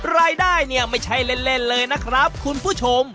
รายได้เนี่ยไม่ใช่เล่นเลยนะครับคุณผู้ชม